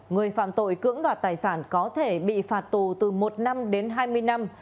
người phạm tội cưỡng đoạt tài sản có thể bị phạt tù từ một năm đến hai mươi năm